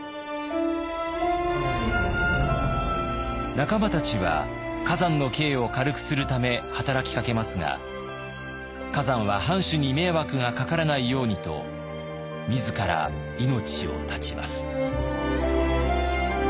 仲間たちは崋山の刑を軽くするため働きかけますが崋山は藩主に迷惑がかからないようにと自ら命を絶ちます。